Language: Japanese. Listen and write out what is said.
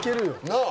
なあ。